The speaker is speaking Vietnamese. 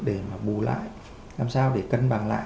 để mà bù lại làm sao để cân bằng lại